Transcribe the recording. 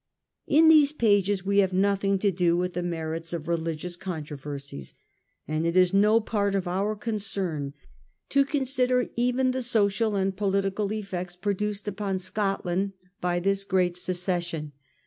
In these pages we have nothing to do with the merits of religious contro versies ; and it is no part of our concern to consider even the social and political effects produced upon Scotland by this great secession.